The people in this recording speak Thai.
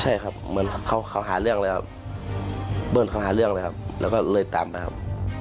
ใช่ครับเหมือนเขาหาเรื่องแล้วเบิ้ลเขาหาเรื่องเลยครับแล้วก็เลยตามไปครับ